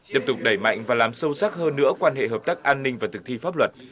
tiếp tục đẩy mạnh và làm sâu sắc hơn nữa quan hệ hợp tác an ninh và thực thi pháp luật